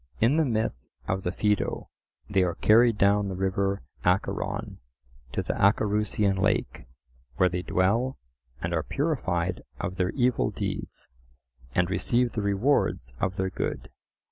In the myth of the Phaedo they are carried down the river Acheron to the Acherusian lake, where they dwell, and are purified of their evil deeds, and receive the rewards of their good.